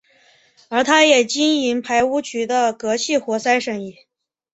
而他也经营排污渠的隔气活塞生意。